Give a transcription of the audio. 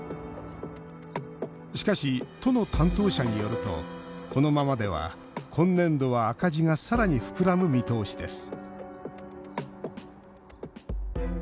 しかし、都の担当者によるとこのままでは今年度は赤字がさらに膨らむ見通しです